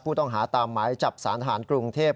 ผู้ต้องหาตามหมายจับสารทหารกรุงเทพ